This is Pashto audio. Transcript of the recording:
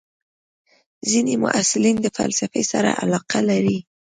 ځینې محصلین د فلسفې سره علاقه لري.